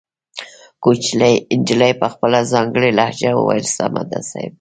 کوچنۍ نجلۍ په خپله ځانګړې لهجه وويل سمه ده صيب.